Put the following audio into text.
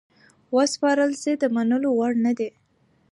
وسپارل سي د منلو وړ نه دي.